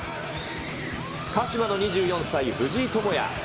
鹿島の２４歳、藤井智也。